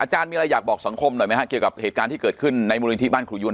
อาจารย์มีอะไรอยากบอกสังคมหน่อยไหมฮะเกี่ยวกับเหตุการณ์ที่เกิดขึ้นในบ้านมุรินทริวันครูยุ้น